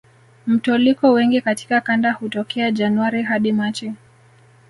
Mtoliko wengi katika kanda hutokea Januari hadi Machi